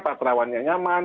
pak terawannya nyaman